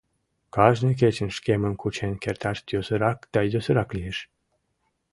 Кажне кечын шкемым кучен керташ йӧсырак да йӧсырак лиеш.